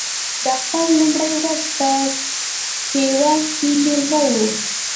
د اختر لومړۍ ورځ په پېوه کې مېله وه.